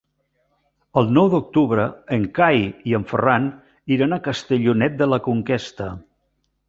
El nou d'octubre en Cai i en Ferran iran a Castellonet de la Conquesta.